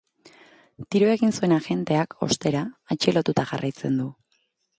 Tiro egin zuen agenteak, ostera, atxilotuta jarraitzen du.